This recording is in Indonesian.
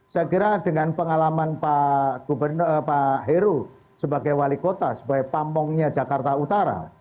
saya kira dengan pengalaman pak heru sebagai wali kota sebagai pamongnya jakarta utara